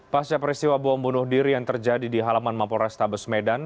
pasca peristiwa bom bunuh diri yang terjadi di halaman mampo restabes medan